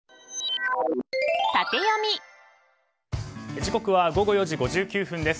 時刻は午後４時５９分です。